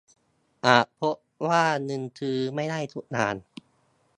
อาจพบว่าเงินซื้อไม่ได้ทุกอย่าง